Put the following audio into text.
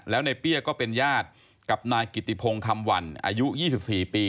แล้วในเปี้ยก็เป็นญาติกับนายกิติพงคำวันอายุ๒๔ปี